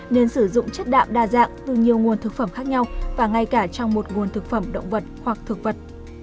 nên sử dụng chất đạm đa dạng từ nhiều nguồn thực phẩm khác nhau và ngay cả trong một nguồn thực phẩm động vật hoặc thực vật